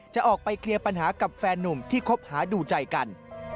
จะออกไปเคลียร์ปัญหากับแฟนนุ่มที่คบหาดูใจกัน